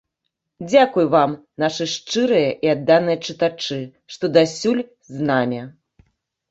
Дзякуй вам, нашы шчырыя і адданыя чытачы, што дасюль з намі!